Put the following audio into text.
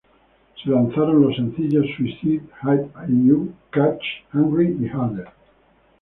Se lanzaron los sencillos "Suicide", "Hide U", "Catch", "Hungry" y "Harder".